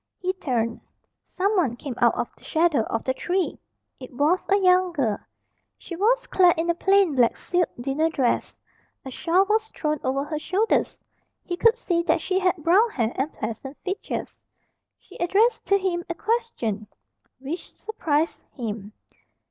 He turned. Someone came out of the shadow of the tree. It was a young girl. She was clad in a plain black silk dinner dress. A shawl was thrown over her shoulders. He could see that she had brown hair and pleasant features. She addressed to him a question which surprised him.